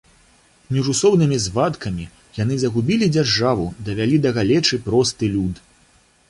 Міжусобнымі звадкамі яны загубілі дзяржаву, давялі да галечы просты люд.